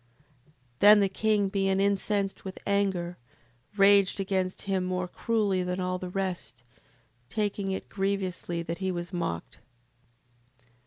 7:39. Then the king being incensed with anger, raged against him more cruelly than all the rest, taking it grievously that he was mocked.